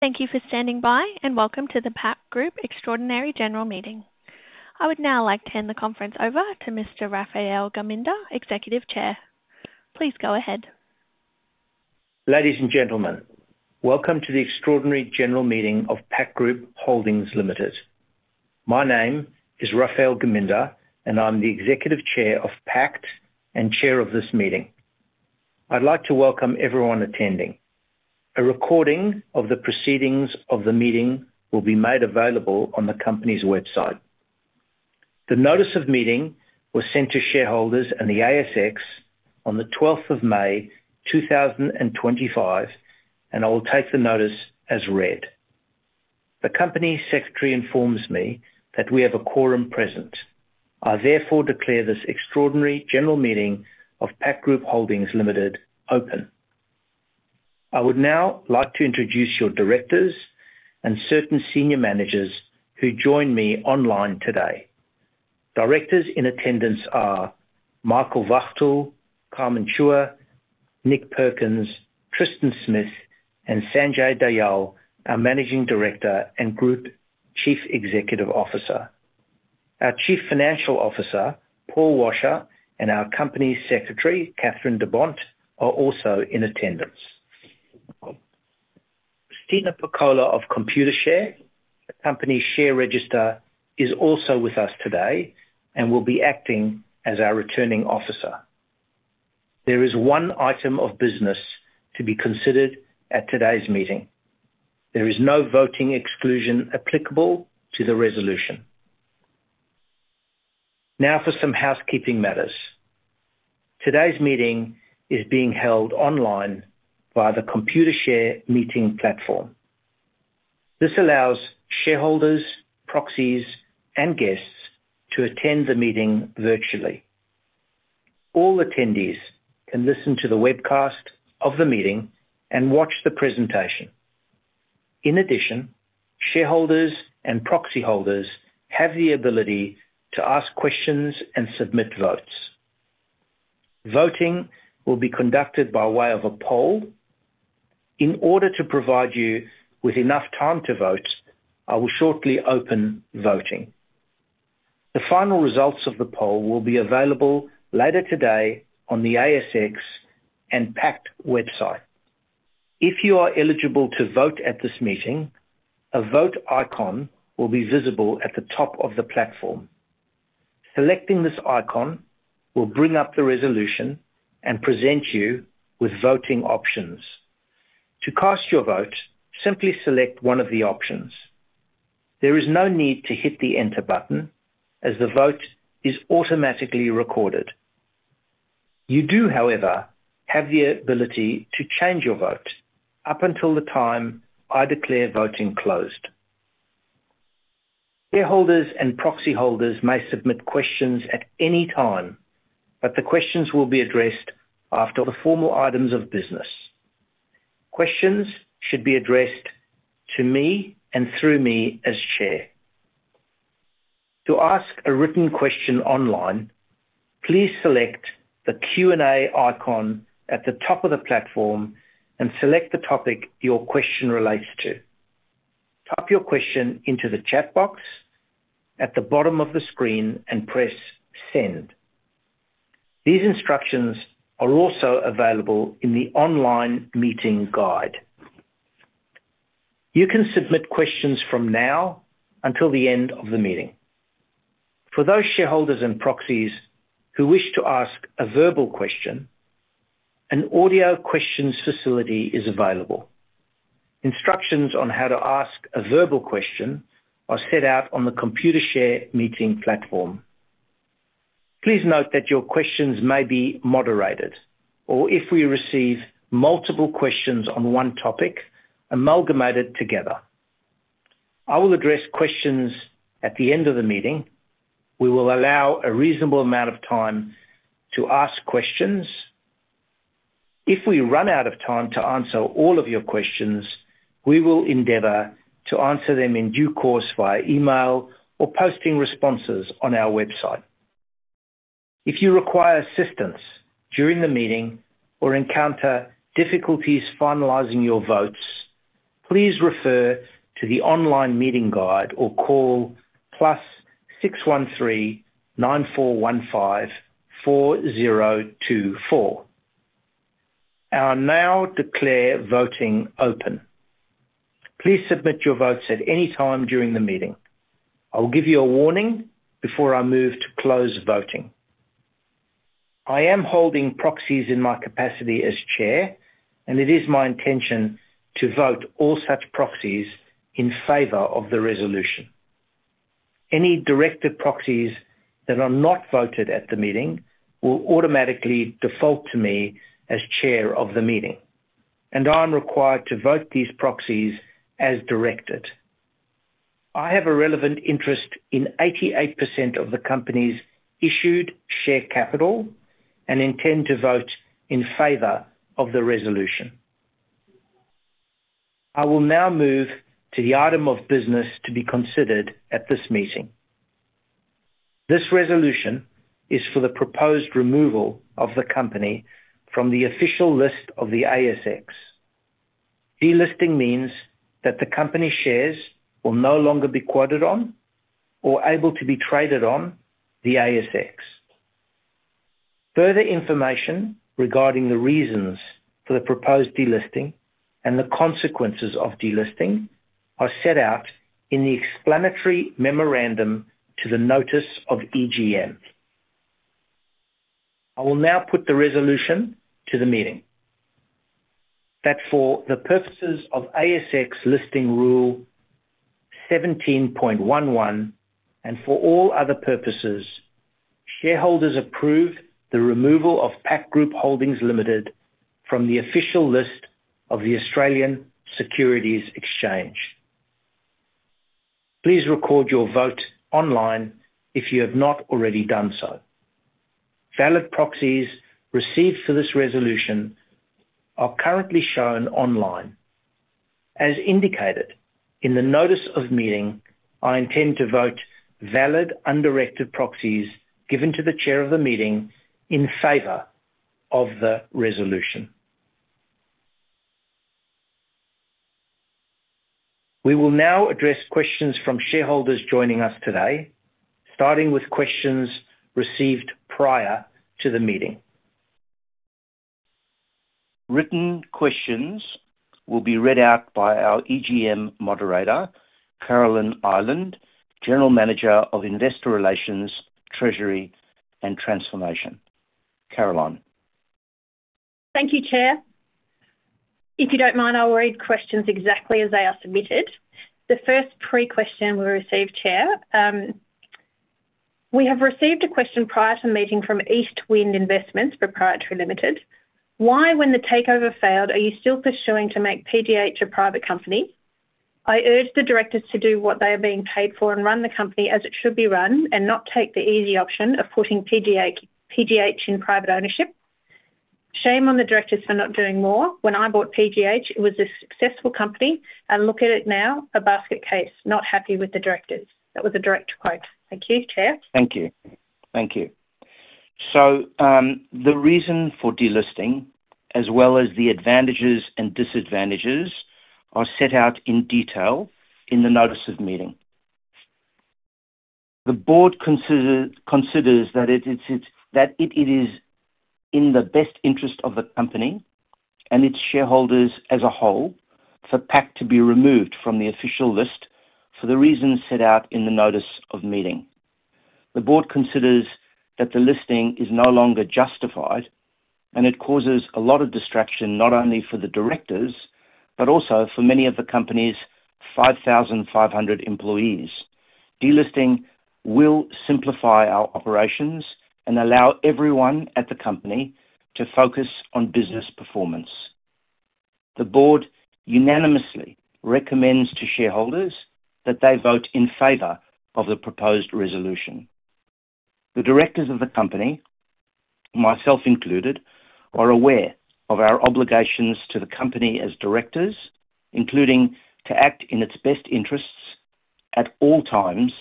Thank you for standing by, and welcome to the Pact Group extraordinary general meeting. I would now like to hand the conference over to Mr. Raphael Geminder, Executive Chair. Please go ahead. Ladies and gentlemen, welcome to the Extraordinary General Meeting of Pact Group Holdings Limited. My name is Raphael Geminder, and I'm the Executive Chair of Pact and Chair of this meeting. I'd like to welcome everyone attending. A recording of the proceedings of the meeting will be made available on the company's website. The notice of meeting was sent to shareholders and the ASX on the 12th of May, 2025, and I will take the notice as read. The Company Secretary informs me that we have a quorum present. I therefore declare this Extraordinary General Meeting of Pact Group Holdings Limited open. I would now like to introduce your directors and certain senior managers who join me online today. Directors in attendance are Michael Wachtel, Carmen Chua, Nick Perkins, Tristan Smith, and Sanjay Dayal, our Managing Director and Group Chief Executive Officer. Our Chief Financial Officer, Paul Washer, and our Company Secretary, Kathryn de Bont, are also in attendance. Christina Pacola of Computershare, the company's share register, is also with us today and will be acting as our returning officer. There is one item of business to be considered at today's meeting. There is no voting exclusion applicable to the resolution. Now for some housekeeping matters. Today's meeting is being held online via the Computershare meeting platform. This allows shareholders, proxies, and guests to attend the meeting virtually. All attendees can listen to the webcast of the meeting and watch the presentation. In addition, shareholders and proxy holders have the ability to ask questions and submit votes. Voting will be conducted by way of a poll. In order to provide you with enough time to vote, I will shortly open voting. The final results of the poll will be available later today on the ASX and Pact website. If you are eligible to vote at this meeting, a vote icon will be visible at the top of the platform. Selecting this icon will bring up the resolution and present you with voting options. To cast your vote, simply select one of the options. There is no need to hit the enter button as the vote is automatically recorded. You do, however, have the ability to change your vote up until the time I declare voting closed. Shareholders and proxy holders may submit questions at any time, but the questions will be addressed after the formal items of business. Questions should be addressed to me and through me as chair. To ask a written question online, please select the Q&A icon at the top of the platform and select the topic your question relates to. Type your question into the chat box at the bottom of the screen and press send. These instructions are also available in the online meeting guide. You can submit questions from now until the end of the meeting. For those shareholders and proxies who wish to ask a verbal question, an audio questions facility is available. Instructions on how to ask a verbal question are set out on the Computershare meeting platform. Please note that your questions may be moderated or, if we receive multiple questions on one topic, amalgamated together. I will address questions at the end of the meeting. We will allow a reasonable amount of time to ask questions. If we run out of time to answer all of your questions, we will endeavor to answer them in due course via email or posting responses on our website. If you require assistance during the meeting or encounter difficulties finalizing your votes, please refer to the online meeting guide or call +61 3 9415 4024. I'll now declare voting open. Please submit your votes at any time during the meeting. I'll give you a warning before I move to close voting. I am holding proxies in my capacity as Chair, and it is my intention to vote all such proxies in favor of the resolution. Any directed proxies that are not voted at the meeting will automatically default to me as Chair of the meeting, and I'm required to vote these proxies as directed. I have a relevant interest in 88% of the company's issued share capital and intend to vote in favor of the resolution. I will now move to the item of business to be considered at this meeting. This resolution is for the proposed removal of the company from the official list of the ASX. Delisting means that the company's shares will no longer be quoted on or able to be traded on the ASX. Further information regarding the reasons for the proposed delisting and the consequences of delisting are set out in the explanatory memorandum to the notice of EGM. I will now put the resolution to the meeting. That for the purposes of ASX listing rule 17.11 and for all other purposes, shareholders approve the removal of Pact Group Holdings Limited from the official list of the Australian Securities Exchange. Please record your vote online if you have not already done so. Valid proxies received for this resolution are currently shown online. As indicated in the notice of meeting, I intend to vote valid undirected proxies given to the chair of the meeting in favor of the resolution. We will now address questions from shareholders joining us today, starting with questions received prior to the meeting. Written questions will be read out by our EGM moderator, Carolyn Ireland, General Manager of Investor Relations, Treasury and Transformation. Carolyn. Thank you, Chair. If you don't mind, I'll read questions exactly as they are submitted. The first pre-question we received, Chair. We have received a question prior to the meeting from East Wind Investments Proprietary Limited. Why, when the takeover failed, are you still pursuing to make PGH a private company? I urge the directors to do what they are being paid for and run the company as it should be run and not take the easy option of putting PGH in private ownership. Shame on the directors for not doing more. When I bought PGH, it was a successful company, and look at it now, a basket case. Not happy with the directors. That was a direct quote. Thank you, Chair. Thank you. The reason for delisting, as well as the advantages and disadvantages, are set out in detail in the notice of meeting. The board considers that it is in the best interest of the company and its shareholders as a whole for Pact to be removed from the official list for the reasons set out in the notice of meeting. The board considers that the listing is no longer justified, and it causes a lot of distraction not only for the directors but also for many of the company's 5,500 employees. Delisting will simplify our operations and allow everyone at the company to focus on business performance. The board unanimously recommends to shareholders that they vote in favor of the proposed resolution. The directors of the company, myself included, are aware of our obligations to the company as directors, including to act in its best interests at all times.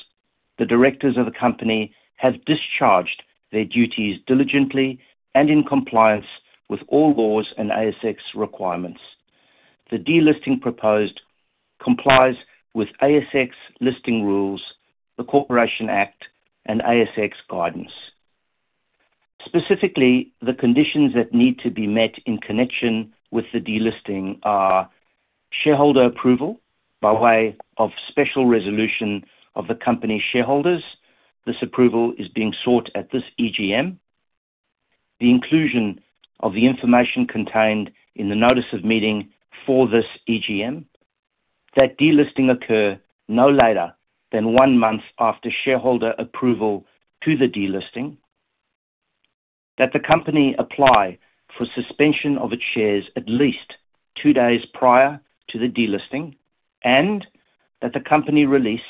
The directors of the company have discharged their duties diligently and in compliance with all laws and ASX requirements. The delisting proposed complies with ASX listing rules, the Corporations Act, and ASX guidance. Specifically, the conditions that need to be met in connection with the delisting are shareholder approval by way of special resolution of the company shareholders. This approval is being sought at this EGM. The inclusion of the information contained in the notice of meeting for this EGM, that delisting occur no later than one month after shareholder approval to the delisting, that the company apply for suspension of its shares at least two days prior to the delisting, and that the company release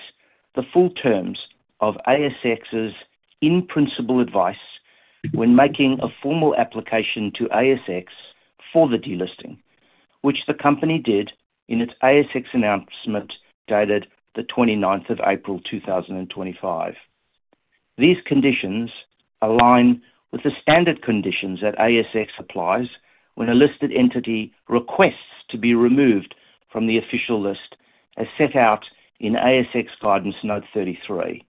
the full terms of ASX's in-principle advice when making a formal application to ASX for the delisting, which the company did in its ASX announcement dated the 29th of April, 2025. These conditions align with the standard conditions that ASX applies when a listed entity requests to be removed from the official list as set out in ASX guidance note 33.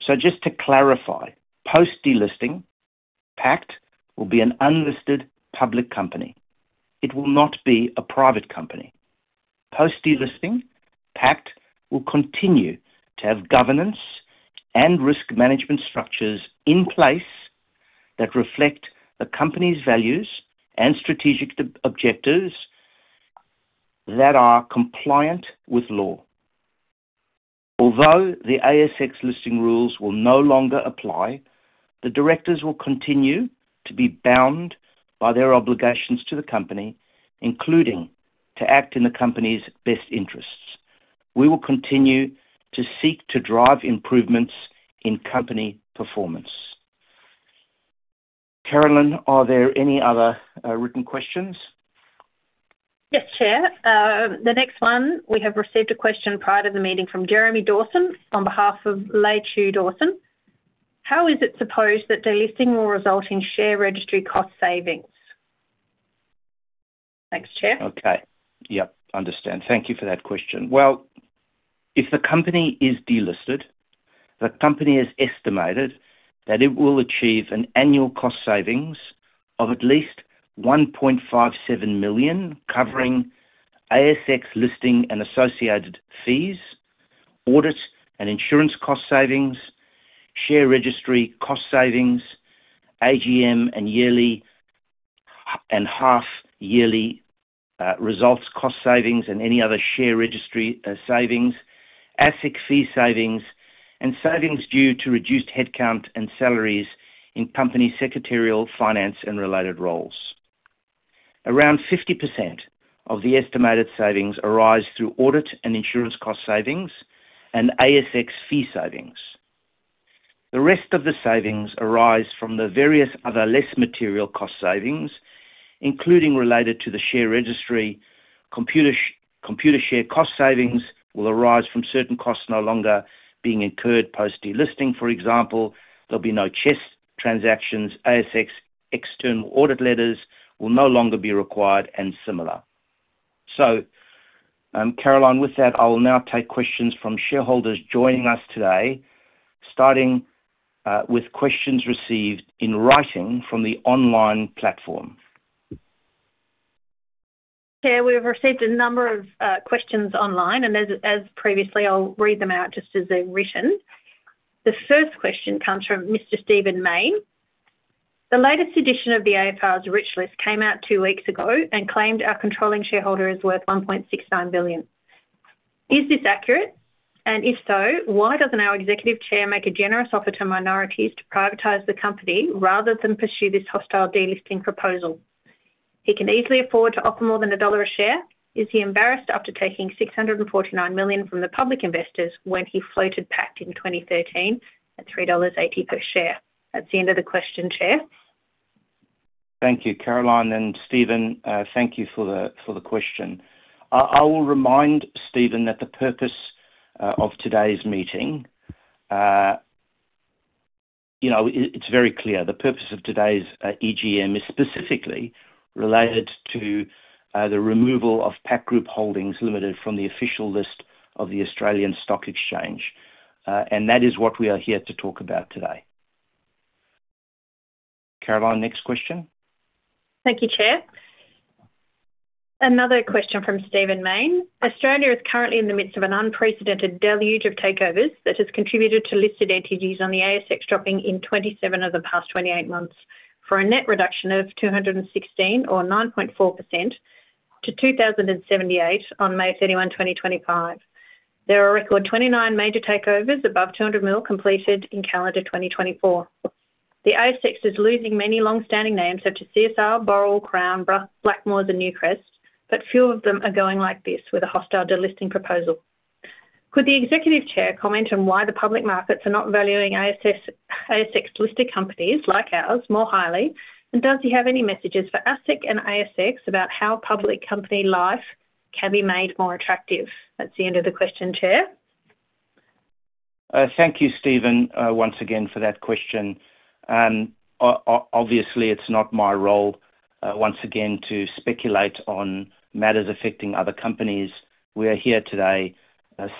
Just to clarify, post-delisting, Pact will be an unlisted public company. It will not be a private company. Post-delisting, Pact will continue to have governance and risk management structures in place that reflect the company's values and strategic objectives that are compliant with law. Although the ASX listing rules will no longer apply, the directors will continue to be bound by their obligations to the company, including to act in the company's best interests. We will continue to seek to drive improvements in company performance. Carolyn, are there any other written questions? Yes, Chair. The next one, we have received a question prior to the meeting from Jeremy Dawson on behalf of Lei Chu Dawson. How is it supposed that delisting will result in share registry cost savings? Thanks, Chair. Okay. Yep. Understand. Thank you for that question. If the company is delisted, the company has estimated that it will achieve an annual cost savings of at least 1.57 million, covering ASX listing and associated fees, audit and insurance cost savings, share registry cost savings, AGM and half-yearly results cost savings, and any other share registry savings, ASIC fee savings, and savings due to reduced headcount and salaries in company secretarial, finance, and related roles. Around 50% of the estimated savings arise through audit and insurance cost savings and ASX fee savings. The rest of the savings arise from the various other less material cost savings, including those related to the share registry. Computershare cost savings will arise from certain costs no longer being incurred post-delisting. For example, there will be no CHESS transactions. ASX external audit letters will no longer be required and similar. Carolyn, with that, I will now take questions from shareholders joining us today, starting with questions received in writing from the online platform. Chair, we've received a number of questions online, and as previously, I'll read them out just as they've written. The first question comes from Mr. Stephen Mayne. The latest edition of the AFR's rich list came out two weeks ago and claimed our controlling shareholder is worth 1.69 billion. Is this accurate? If so, why doesn't our Executive Chair make a generous offer to minorities to privatize the company rather than pursue this hostile delisting proposal? He can easily afford to offer more than AUD 1.00 a share. Is he embarrassed after taking 649 million from the public investors when he floated Pact in 2013 at 3.80 dollars per share? That's the end of the question, Chair. Thank you, Carolyn. Stephen, thank you for the question. I will remind Stephen that the purpose of today's meeting, it's very clear. The purpose of today's EGM is specifically related to the removal of Pact Group Holdings Limited from the official list of the Australian Securities Exchange, and that is what we are here to talk about today. Carolyn, next question. Thank you, Chair. Another question from Stephen Mayne. Australia is currently in the midst of an unprecedented deluge of takeovers that has contributed to listed entities on the ASX dropping in 27 of the past 28 months for a net reduction of 216 or 9.4% to 2,078 on May 31, 2024. There are a record 29 major takeovers above 200 million completed in calendar 2024. The ASX is losing many long-standing names such as CSR, Boral, Crown, Blackmores and Newcrest, but few of them are going like this with a hostile delisting proposal. Could the Executive Chair comment on why the public markets are not valuing ASX-listed companies like ours more highly, and does he have any messages for ASIC and ASX about how public company life can be made more attractive? That's the end of the question, Chair. Thank you, Stephen, once again for that question. Obviously, it's not my role, once again, to speculate on matters affecting other companies. We are here today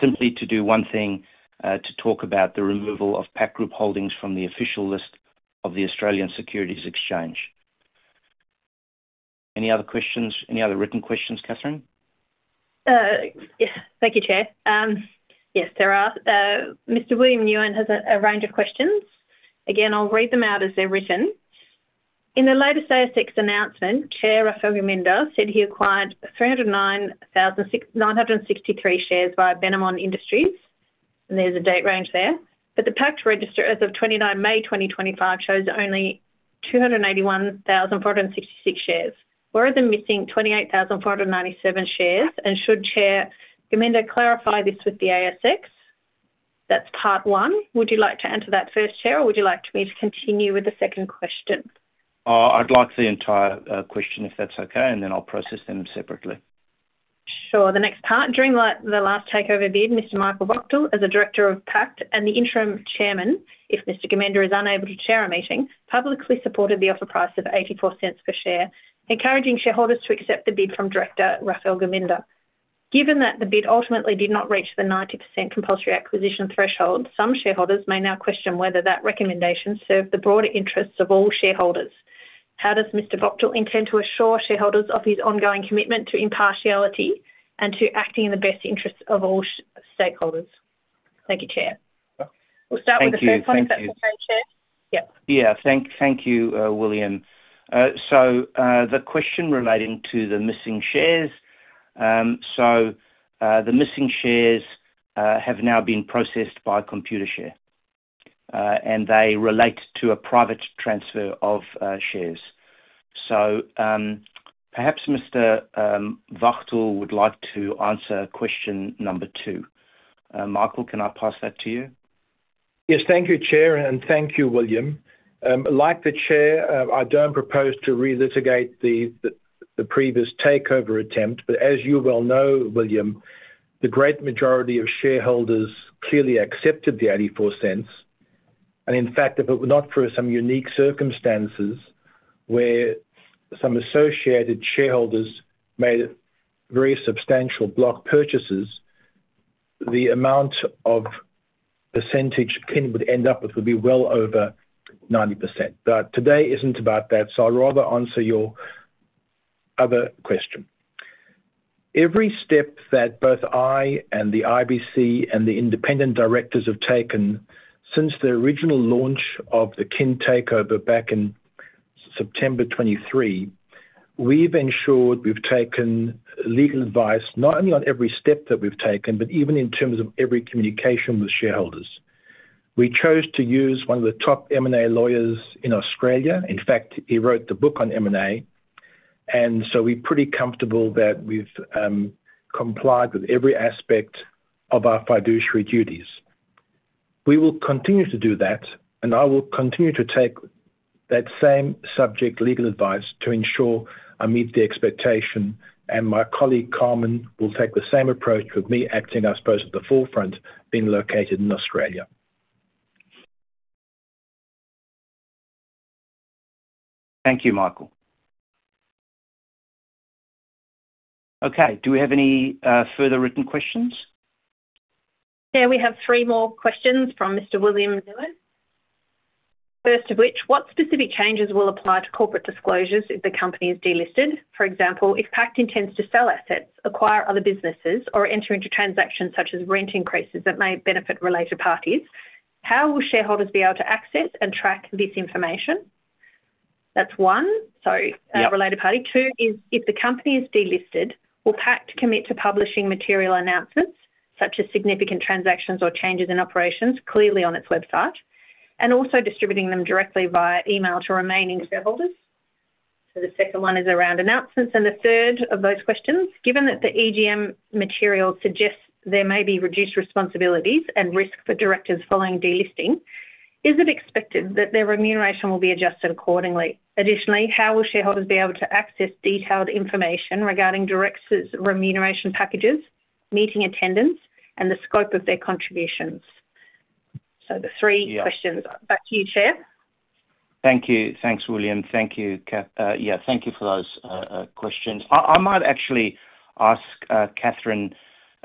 simply to do one thing, to talk about the removal of Pact Group Holdings from the official list of the Australian Securities Exchange. Any other questions? Any other written questions, Kathryn? Yes. Thank you, Chair. Yes, there are. Mr. William Nguyen has a range of questions. Again, I'll read them out as they're written. In the latest ASX announcement, Chair Raphael Geminder said he acquired 309,963 shares via Bennamon Industries, and there's a date range there. But the Pact register as of 29 May, 2025 shows only 281,466 shares. Where are the missing 28,497 shares? And should Chair Geminder clarify this with the ASX? That's part one. Would you like to answer that first, Chair, or would you like me to continue with the second question? I'd like the entire question if that's okay, and then I'll process them separately. Sure. The next part. During the last takeover bid, Mr. Michael Wachtel, as a director of Pact and the interim Chairman, if Mr. Geminder is unable to chair a meeting, publicly supported the offer price of 0.84 per share, encouraging shareholders to accept the bid from Director Raphael Geminder. Given that the bid ultimately did not reach the 90% compulsory acquisition threshold, some shareholders may now question whether that recommendation serves the broader interests of all shareholders. How does Mr. Wachtel intend to assure shareholders of his ongoing commitment to impartiality and to acting in the best interests of all stakeholders? Thank you, Chair. We'll start with the first one, if that's okay, Chair. Yeah. Thank you, William. The question relating to the missing shares. The missing shares have now been processed by Computershare, and they relate to a private transfer of shares. Perhaps Mr. Wachtel would like to answer question number two. Michael, can I pass that to you? Yes. Thank you, Chair, and thank you, William. Like the Chair, I do not propose to relitigate the previous takeover attempt, but as you well know, William, the great majority of shareholders clearly accepted the 0.84. In fact, if it were not for some unique circumstances where some associated shareholders made very substantial block purchases, the amount of percentage Kin would end up with would be well over 90%. Today is not about that, so I would rather answer your other question. Every step that both I and the IBC and the independent directors have taken since the original launch of the Kin takeover back in September 2023, we have ensured we have taken legal advice not only on every step that we have taken, but even in terms of every communication with shareholders. We chose to use one of the top M&A lawyers in Australia. In fact, he wrote the book on M&A, and so we're pretty comfortable that we've complied with every aspect of our fiduciary duties. We will continue to do that, and I will continue to take that same subject legal advice to ensure I meet the expectation, and my colleague Carmen will take the same approach with me acting, I suppose, at the forefront being located in Australia. Thank you, Michael. Okay. Do we have any further written questions? Chair, we have three more questions from Mr. William Nguyen. First of which, what specific changes will apply to corporate disclosures if the company is delisted? For example, if Pact intends to sell assets, acquire other businesses, or enter into transactions such as rent increases that may benefit related parties, how will shareholders be able to access and track this information? That's one. So related party. Two is, if the company is delisted, will Pact commit to publishing material announcements such as significant transactions or changes in operations clearly on its website and also distributing them directly via email to remaining shareholders? The second one is around announcements. The third of those questions, given that the EGM material suggests there may be reduced responsibilities and risk for directors following delisting, is it expected that their remuneration will be adjusted accordingly? Additionally, how will shareholders be able to access detailed information regarding directors' remuneration packages, meeting attendance, and the scope of their contributions? The three questions. Back to you, Chair. Thank you. Thanks, William. Thank you, Kath. Yeah, thank you for those questions. I might actually ask Kathryn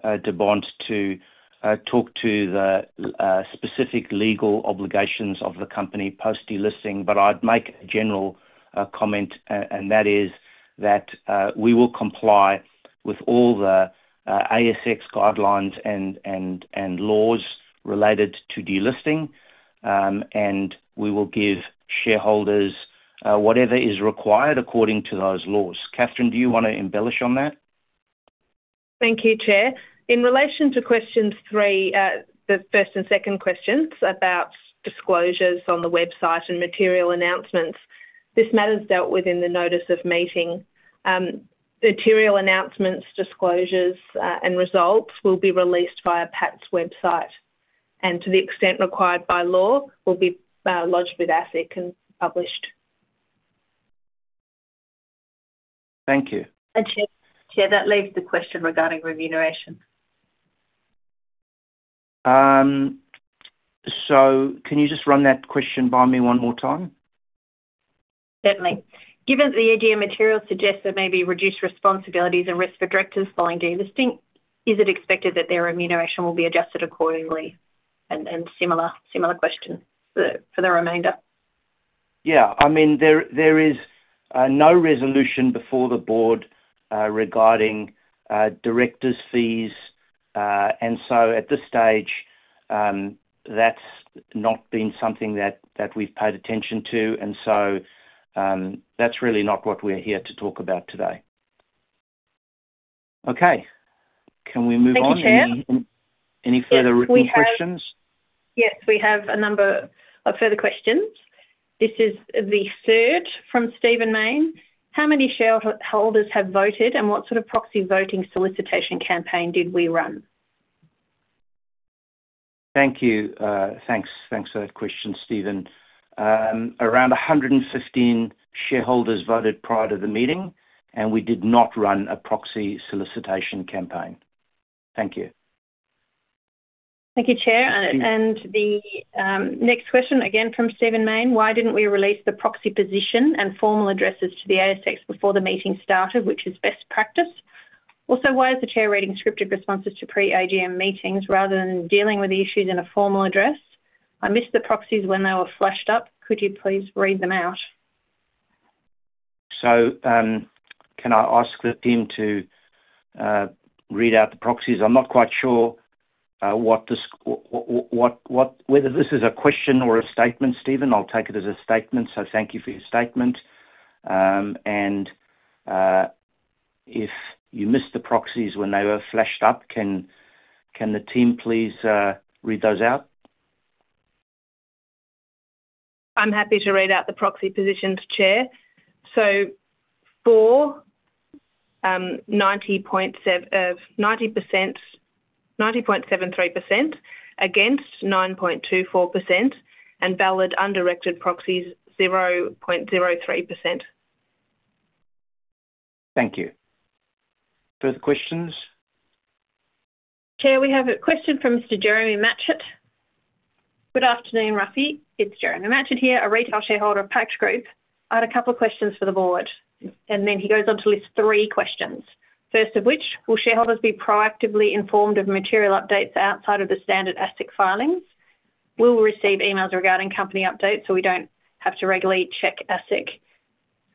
de Bont to talk to the specific legal obligations of the company post-delisting, but I would make a general comment, and that is that we will comply with all the ASX guidelines and laws related to delisting, and we will give shareholders whatever is required according to those laws. Kathryn, do you want to embellish on that? Thank you, Chair. In relation to question three, the first and second questions about disclosures on the website and material announcements, this matter is dealt with in the notice of meeting. Material announcements, disclosures, and results will be released via Pact's website, and to the extent required by law, will be lodged with ASIC and published. Thank you. Chair, that leaves the question regarding remuneration. Can you just run that question by me one more time? Certainly. Given that the EGM material suggests there may be reduced responsibilities and risk for directors following delisting, is it expected that their remuneration will be adjusted accordingly? A similar question for the remainder. Yeah. I mean, there is no resolution before the board regarding directors' fees, and so at this stage, that's not been something that we've paid attention to, and so that's really not what we're here to talk about today. Okay. Can we move on? Thank you, Chair. Any further written questions? Yes. We have a number of further questions. This is the third from Stephen Mayne. How many shareholders have voted, and what sort of proxy voting solicitation campaign did we run? Thank you. Thanks for that question, Stephen. Around 115 shareholders voted prior to the meeting, and we did not run a proxy solicitation campaign. Thank you. Thank you, Chair. The next question, again from Stephen Mayne. Why did not we release the proxy position and formal addresses to the ASX before the meeting started, which is best practice? Also, why is the Chair reading scripted responses to pre-AGM meetings rather than dealing with issues in a formal address? I missed the proxies when they were flashed up. Could you please read them out? Can I ask the team to read out the proxies? I'm not quite sure whether this is a question or a statement, Stephen. I'll take it as a statement, so thank you for your statement. If you missed the proxies when they were flashed up, can the team please read those out? I'm happy to read out the proxy positions to Chair. So for 90.73%, against 9.24%, and valid undirected proxies 0.03%. Thank you. Further questions? Chair, we have a question from Mr. Jeremy Machet. Good afternoon, Rafi. It's Jeremy Machet here, a retail shareholder of Pact Group. I had a couple of questions for the board. He goes on to list three questions. First of which, will shareholders be proactively informed of material updates outside of the standard ASIC filings? Will we receive emails regarding company updates so we don't have to regularly check ASIC?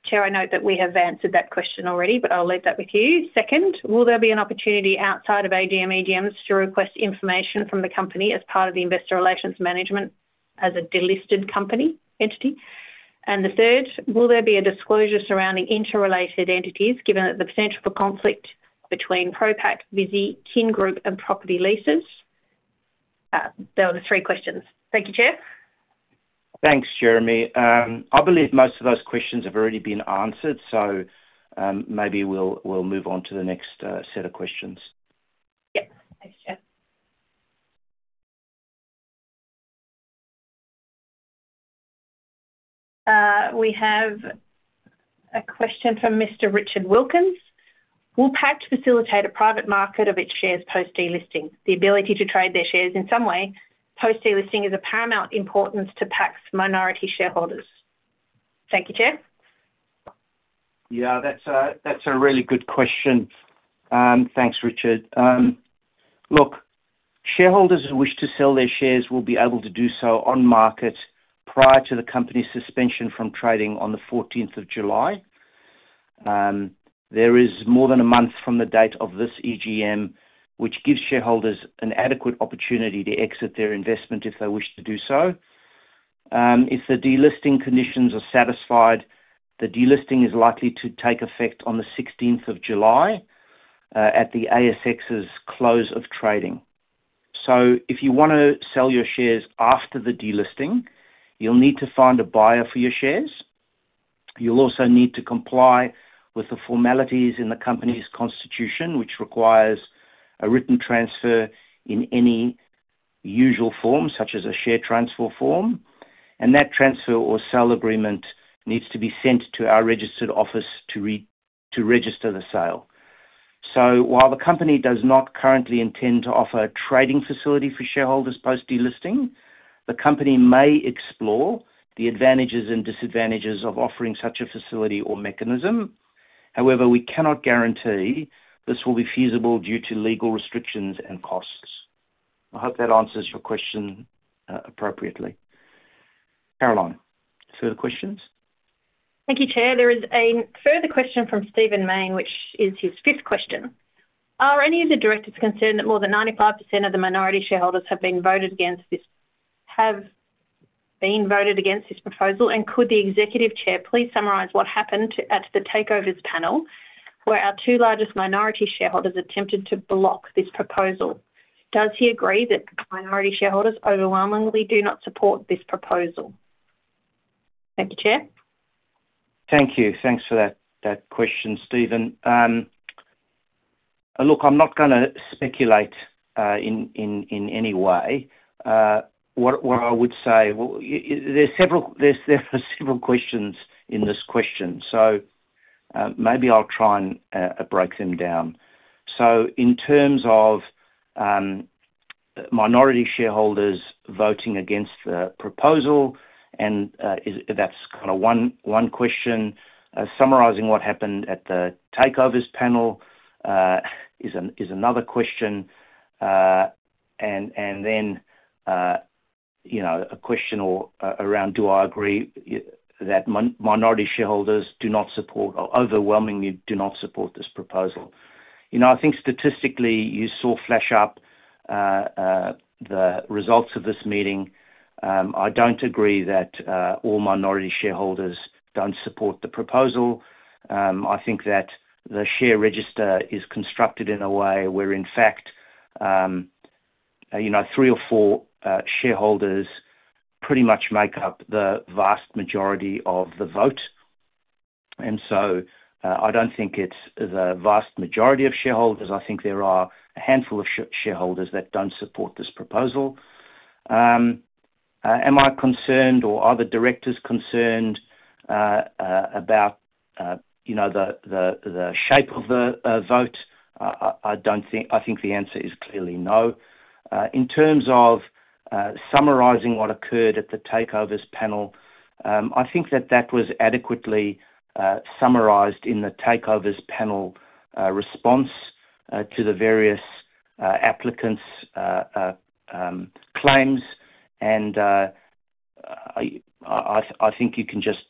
Chair, I note that we have answered that question already, but I'll leave that with you. Second, will there be an opportunity outside of AGM/EGMs to request information from the company as part of the investor relations management as a delisted company entity? The third, will there be a disclosure surrounding interrelated entities given the potential for conflict between Pro-Pac, Vizzy, Kin Group, and property leases? There were three questions. Thank you, Chair. Thanks, Jeremy. I believe most of those questions have already been answered, so maybe we'll move on to the next set of questions. Yep. Thanks, Chair. We have a question from Mr. Richard Wilkins. Will Pact facilitate a private market of its shares post-delisting? The ability to trade their shares in some way post-delisting is of paramount importance to Pact's minority shareholders. Thank you, Chair. Yeah, that's a really good question. Thanks, Richard. Look, shareholders who wish to sell their shares will be able to do so on market prior to the company's suspension from trading on the 14th of July. There is more than a month from the date of this EGM, which gives shareholders an adequate opportunity to exit their investment if they wish to do so. If the delisting conditions are satisfied, the delisting is likely to take effect on the 16th of July at the ASX's close of trading. If you want to sell your shares after the delisting, you'll need to find a buyer for your shares. You'll also need to comply with the formalities in the company's constitution, which requires a written transfer in any usual form, such as a share transfer form. That transfer or sale agreement needs to be sent to our registered office to register the sale. While the company does not currently intend to offer a trading facility for shareholders post-delisting, the company may explore the advantages and disadvantages of offering such a facility or mechanism. However, we cannot guarantee this will be feasible due to legal restrictions and costs. I hope that answers your question appropriately. Caroline, further questions? Thank you, Chair. There is a further question from Stephen Mayne, which is his fifth question. Are any of the directors concerned that more than 95% of the minority shareholders have been voted against this proposal, and could the Executive Chair please summarise what happened at the Takeovers Panel where our two largest minority shareholders attempted to block this proposal? Does he agree that minority shareholders overwhelmingly do not support this proposal? Thank you, Chair. Thank you. Thanks for that question, Stephen. Look, I'm not going to speculate in any way. What I would say, there are several questions in this question, so maybe I'll try and break them down. In terms of minority shareholders voting against the proposal, and that's kind of one question. Summarizing what happened at the Takeovers Panel is another question. Then a question around, do I agree that minority shareholders do not support or overwhelmingly do not support this proposal? I think statistically you saw flash up the results of this meeting. I don't agree that all minority shareholders don't support the proposal. I think that the share register is constructed in a way where, in fact, three or four shareholders pretty much make up the vast majority of the vote. I don't think it's the vast majority of shareholders. I think there are a handful of shareholders that do not support this proposal. Am I concerned or are the directors concerned about the shape of the vote? I think the answer is clearly no. In terms of summarizing what occurred at the Takeovers Panel, I think that that was adequately summarized in the Takeovers Panel response to the various applicants' claims. I think you can just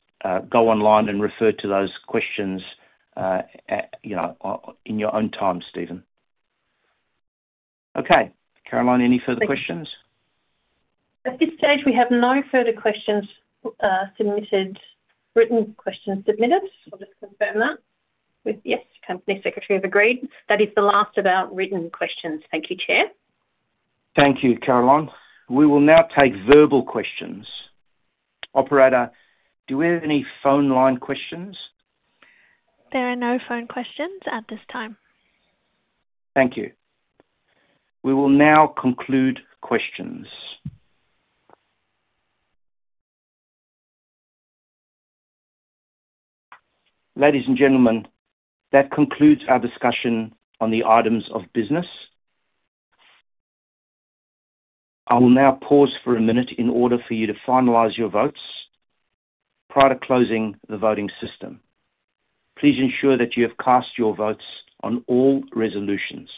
go online and refer to those questions in your own time, Stephen. Okay. Caroline, any further questions? At this stage, we have no further written questions submitted. I'll just confirm that. Yes, Company Secretary have agreed. That is the last of our written questions. Thank you, Chair. Thank you, Caroline. We will now take verbal questions. Operator, do we have any phone line questions? There are no phone questions at this time. Thank you. We will now conclude questions. Ladies and gentlemen, that concludes our discussion on the items of business. I will now pause for a minute in order for you to finalise your votes prior to closing the voting system. Please ensure that you have cast your votes on all resolutions.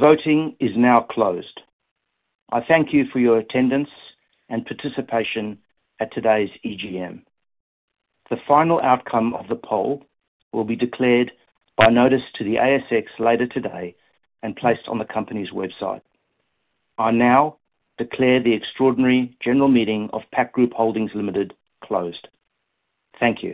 Voting is now closed. I thank you for your attendance and participation at today's EGM. The final outcome of the poll will be declared by notice to the ASX later today and placed on the company's website. I now declare the extraordinary general meeting of Pact Group Holdings Limited closed. Thank you.